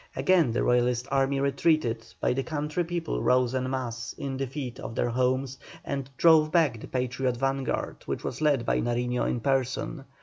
Again the Royalist army retreated, but the country people rose en masse in defence of their homes and drove back the Patriot vanguard, which was led by Nariño in person.